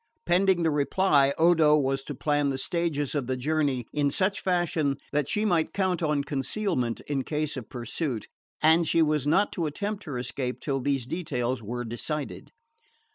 Pending the reply, Odo was to plan the stages of the journey in such fashion that she might count on concealment in case of pursuit; and she was not to attempt her escape till these details were decided.